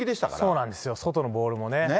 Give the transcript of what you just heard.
そうなんですよ、外のボールもね。